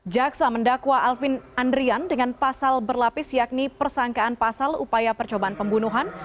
jaksa mendakwa alvin andrian dengan pasal berlapis yakni persangkaan pasal upaya percobaan pembunuhan